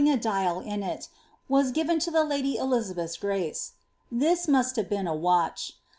a dial in it,'' was given ^ to the lady Elizabeth^ gnee.' This must have been a watch.